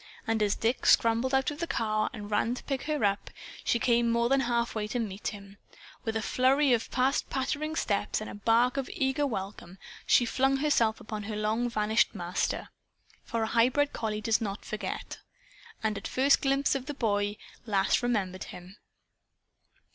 And as Dick scrambled out of the car and ran to pick her up, she came more than half way to meet him. With a flurry of fast pattering steps and a bark of eager welcome, she flung herself upon her long vanished master. For a highbred collie does not forget. And at first glimpse of the boy Lass remembered him.